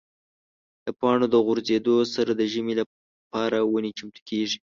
د پاڼو د غورځېدو سره د ژمي لپاره ونې چمتو کېږي.